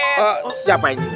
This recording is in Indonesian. siapa yang biayain